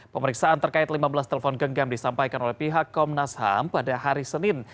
pemeriksaan terkait lima belas telepon genggam disampaikan oleh pihak komnas ham pada hari senin